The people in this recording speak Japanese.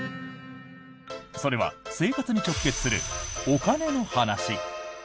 それは生活に直結するお金の話。